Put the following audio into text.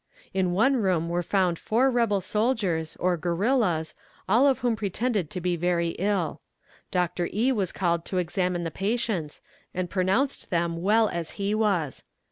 In one room were found four rebel soldiers, or guerillas, all of whom pretended to be very ill. Dr. E. was called to examine the patients, and pronounced them well as he was.